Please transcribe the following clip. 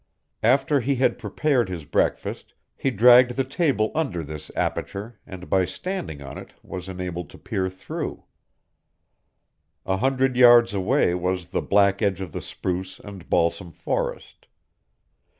After he had prepared his breakfast he dragged the table under this aperture and by standing on it was enabled to peer through. A hundred yards away was the black edge of the spruce and balsam forest.